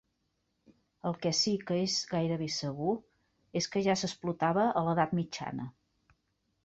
El que sí que és gairebé segur és que ja s'explotava a l'Edat Mitjana.